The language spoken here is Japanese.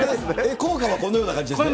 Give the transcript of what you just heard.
効果はこのような感じですね。